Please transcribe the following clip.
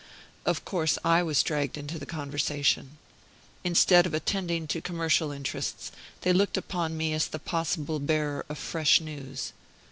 Of course I was dragged into the conversation. Instead of attending to commercial interests, they looked upon me as the possible bearer of fresh news.